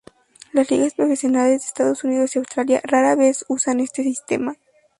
Las ligas profesionales de Estados Unidos y Australia rara vez usan este sistema.